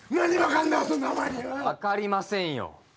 「分かりませんよ」